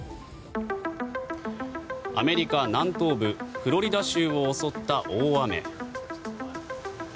アメリカ南東部フロリダ州を襲った大雨。